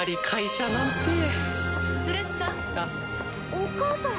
お母さん。